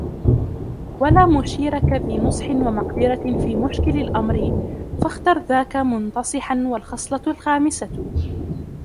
وَلَا مُشِيرَ كَذِي نُصْحٍ وَمَقْدِرَةٍ فِي مُشْكِلِ الْأَمْرِ فَاخْتَرْ ذَاكَ مُنْتَصِحًا وَالْخَصْلَةُ الْخَامِسَةُ